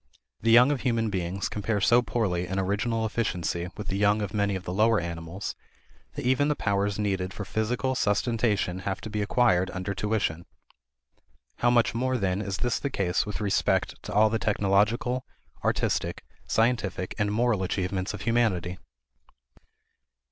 The young of human beings compare so poorly in original efficiency with the young of many of the lower animals, that even the powers needed for physical sustentation have to be acquired under tuition. How much more, then, is this the case with respect to all the technological, artistic, scientific, and moral achievements of humanity!